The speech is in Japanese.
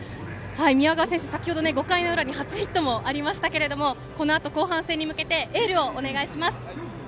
宮川選手、先程５回の裏に初ヒットもありましたけどこのあと後半戦に向けエールをお願いします。